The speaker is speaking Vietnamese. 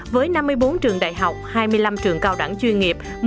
với năm mươi bốn trường đại học hai mươi năm trường cao đẳng chuyên nghiệp